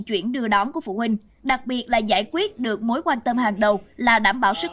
chuyển đưa đón của phụ huynh đặc biệt là giải quyết được mối quan tâm hàng đầu là đảm bảo sức